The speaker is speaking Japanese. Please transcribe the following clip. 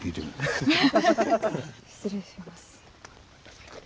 失礼します。